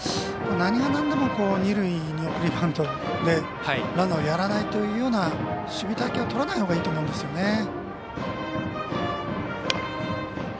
何がなんでも二塁に送りバントでランナーをやらないというような守備隊形をとらないほうがいいと思うんですよね。